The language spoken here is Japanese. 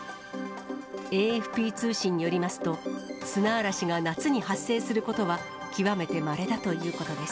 ＡＦＰ通信によりますと、砂嵐が夏に発生することは、極めてまれだということです。